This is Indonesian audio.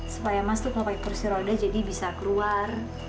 supaya mas tuh kalau pake kursi roda jadi bisa keluar